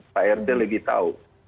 pak rt lebih tahu